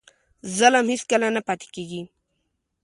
ظلم هېڅکله نه پاتې کېږي.